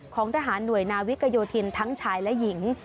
ของทหารหน่วยนาวิกโยธินทั้งชายและหญิง